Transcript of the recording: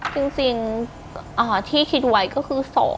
จริงที่คิดไว้ก็คือ